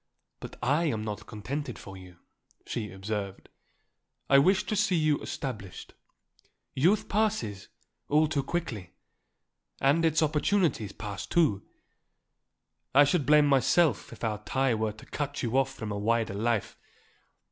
"But I am not contented for you," she observed. "I wish to see you established. Youth passes, all too quickly, and its opportunities pass, too. I should blame myself if our tie were to cut you off from a wider life.